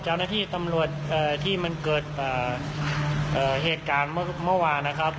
เจ้าหน้าที่ตำรวจที่มันเกิดเหตุการณ์เมื่อวานนะครับ